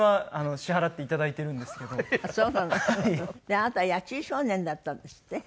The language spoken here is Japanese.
であなたは野球少年だったんですって？